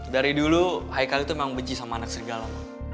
dari dulu haikal itu memang beji sama anak serigala